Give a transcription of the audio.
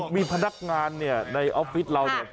มีพนักงานเนี่ยในออฟฟิศเราเนี่ย